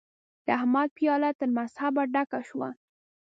د احمد پياله تر مذهبه ډکه شوه.